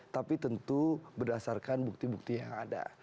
tapi tentu berdasarkan bukti bukti yang ada